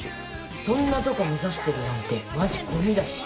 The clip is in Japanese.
そんなとこ目指してるなんてまじゴミだし。